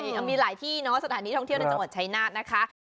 มีหลายที่เนอะสถานที่ท่องเที่ยวในจังหวัดชายนาฏนะคะ